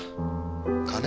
金？